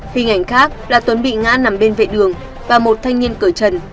hình ảnh khác là tuấn bị ngã nằm bên vệ đường và một thanh niên cỡ trần